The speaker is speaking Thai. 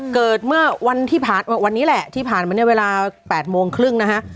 เกิดเมื่อวันที่ผ่านวันนี้แหละที่ผ่านมาเนี่ยเวลา๘โมงครึ่งนะฮะ